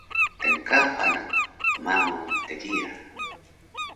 tnkaxa naq qmango mtgiya